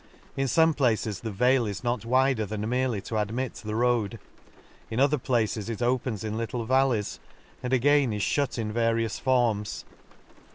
— In fome places the vale is not wider than merely to admit the road, in other places it opens in little valleys, and again is fhut in various forms.